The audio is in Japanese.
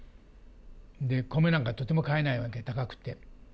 で、米なんかとても買えないわけ、高くて。